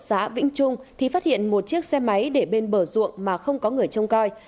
ở xã vĩnh trung thì phát hiện một chiếc xe máy để bên bờ ruộng mà không có người trông coi